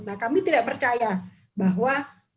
nah kami tidak percaya bahwa